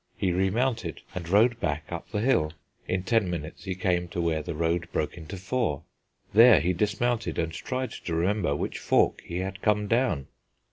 He remounted, and rode back up the hill. In ten minutes he came to where the road broke into four; there he dismounted and tried to remember which fork he had come down.